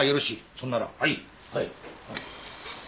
そんならはいはい。